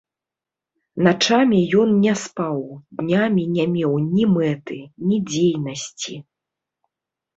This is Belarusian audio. Начамі ён не спаў, днямі не меў ні мэты, ні дзейнасці.